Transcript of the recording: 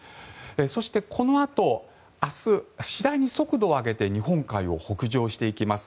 そして、このあと明日、次第に速度を上げて日本海を北上していきます。